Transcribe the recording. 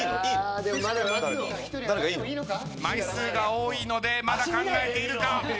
枚数が多いのでまだ考えているか？